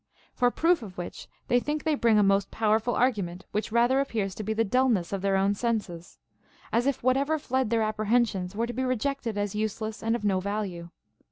For proof of which they think they bring a most powerful argument, which rather appears to be the dulness of their own senses ; as if whatever fled their apprehensions Λvere to be rejected as useless and of no value.